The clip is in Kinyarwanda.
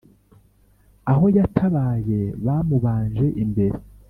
abo yatabaye bamubanje imbere.